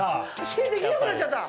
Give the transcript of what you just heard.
否定できなくなっちゃった。